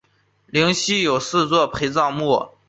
灵犀有四座陪葬墓。